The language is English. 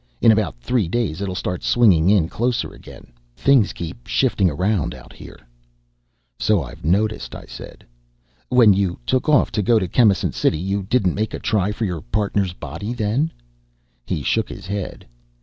In about three days, it'll start swinging in closer again. Things keep shifting around out here." "So I've noticed," I said. "When you took off to go to Chemisant City, didn't you make a try for your partner's body then?" He shook his head.